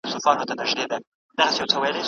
د کمزورو ملاتړ يې ښکاره و.